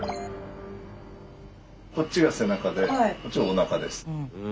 こっちが背中でこっちがおなかです。